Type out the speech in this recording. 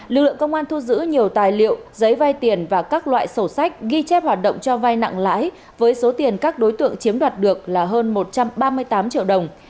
lực lượng công an thu giữ nhiều tài liệu giấy vay tiền và các loại sổ sách ghi chép hoạt động cho vai nặng lãi với số tiền các đối tượng chiếm đoạt được là hơn một trăm ba mươi tám triệu đồng